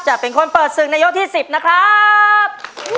จะเป็นคนเปิดศึกในยกที่๑๐นะครับ